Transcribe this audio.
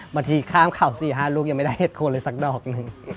บางทีข้ามเขา๔๕ลูกยังไม่ได้เห็ดโคนเลยสักดอกหนึ่ง